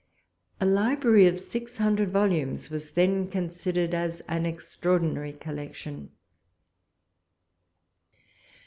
A library of six hundred volumes was then considered as an extraordinary collection.